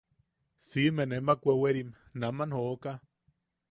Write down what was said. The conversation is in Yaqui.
Siʼime nemak weweri naman jooka.